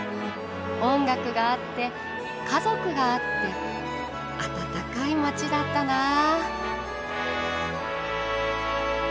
音楽があって家族があって温かい街だったなあ。